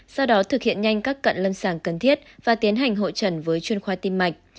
sau đó thực hiện nhanh các cận lâm sàng cần thiết và tiến hành hội trần với chuyên khoa tim mạch